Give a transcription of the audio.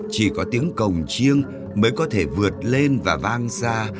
chỉ có tiếng cồng chiêng mới có thể vượt lên và vang ra